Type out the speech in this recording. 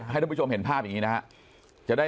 ให้ท่านผู้ชมเห็นภาพอย่างนี้นะครับ